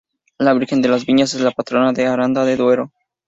La Virgen de las Viñas es la patrona de Aranda de Duero.